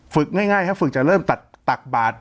ฝึกง่ายฝึกจะเริ่มตักบาท